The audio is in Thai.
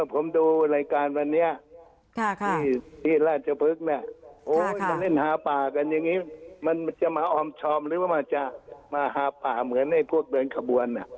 ผมดูรายการวันนี้ที่ราชพฤกษ์เนี่ยโอ้มาเล่นหาป่ากันอย่างนี้มันจะมาออมชอมหรือว่ามันจะมาหาป่าเหมือนไอ้พวกเดินขบวน